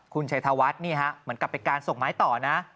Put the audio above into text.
คุณใช้ธวัดเหมือนกับไปการส่งไม้ต่อนะ